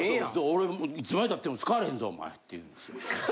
俺も「いつまでたっても使われへんぞお前」って言うんですよ。